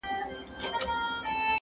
هم قاري سو هم یې ټول قرآن په یاد کړ!.